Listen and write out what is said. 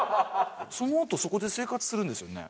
そのあとそこで生活するんですよね？